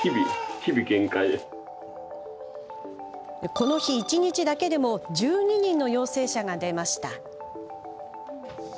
この日、一日だけでも１２人の陽性者が出ました。